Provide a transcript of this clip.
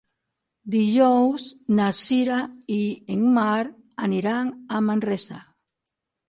Dijous na Sira i en Marc aniran a Manresa.